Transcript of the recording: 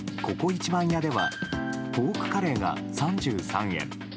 番屋ではポークカレーが３３円。